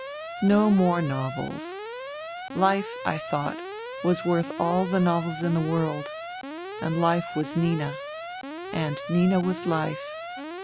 ... No more novels ! Life, I thought, was worth all the novels in the world. And life was Nina. And Nina was life.